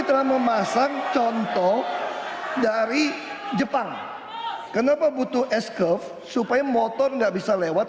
telah memasang contoh dari jepang kenapa butuh es curve supaya motor nggak bisa lewat